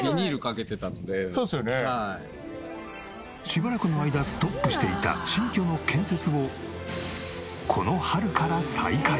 しばらくの間ストップしていた新居の建設をこの春から再開。